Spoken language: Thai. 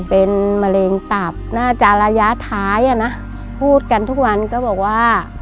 เป็นมะเร็งตับน่าจะระยะท้ายอ่ะนะพูดกันทุกวันก็บอกว่า